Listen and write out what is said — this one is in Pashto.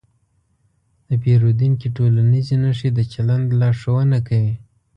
د پیریدونکي ټولنیزې نښې د چلند لارښوونه کوي.